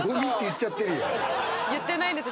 言ってないです